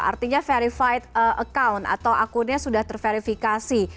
artinya verified account atau akunnya sudah terverifikasi